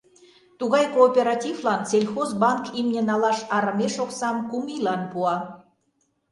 Тугай кооперативлан сельхозбанк имне налаш арымеш оксам кум ийлан пуа.